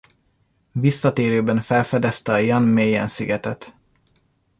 Visszatérőben felfedezte a Jan Mayen-szigetet.